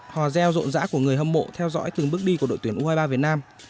hò reo rộn rã của người hâm mộ theo dõi từng bước đi của đội tuyển u hai mươi ba việt nam